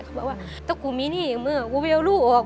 เขาบอกว่าถ้ากูมีหนี้อย่างเมื่อกูไม่เอาลูกออก